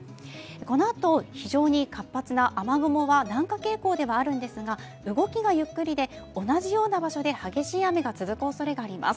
このあと、非常に活発な雨雲が南下傾向ではあるのですが動きがゆっくりで同じような場所で激しい雨が続くおそれがあります。